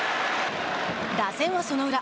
打線は、その裏。